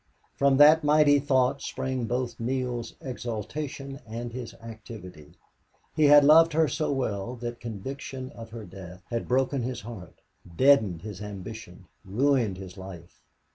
From that mighty thought sprang both Neale's exaltation and his activity. He had loved her so well that conviction of her death had broken his heart, deadened his ambition, ruined his life.